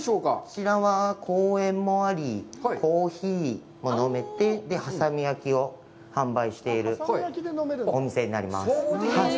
こちらは公園もあり、コーヒーも飲めて、波佐見焼を販売しているお店になります。